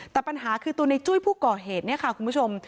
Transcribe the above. แต่ปัญหาคือตัวในจุ้ยผู้ก่อเหตุเนี่ยค่ะคุณผู้ชม